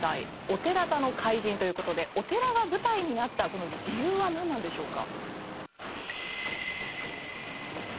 「お寺座の怪人」という事でお寺が舞台になったこの理由はなんなんでしょうか？